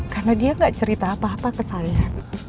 karena dia gak cerita apa apa ke saya